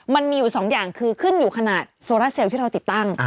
มันมีอยู่สองอย่างคือขึ้นอยู่ขนาดโซราเซลที่เราติดตั้ง